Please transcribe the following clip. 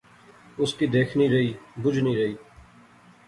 اس کی دیکھنی رہی، بجنی رہی